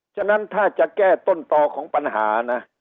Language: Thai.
ฉะนั้นถ้าจะแก้ต้นต่อของปัญหานะ